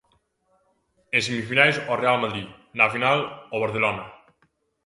En semifinais ao Real Madrid, na final ao Barcelona.